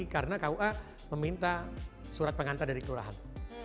karena kua meminta surat pengantar dari kelurahan